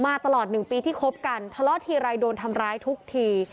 ตลอด๑ปีที่คบกันทะเลาะทีไรโดนทำร้ายทุกที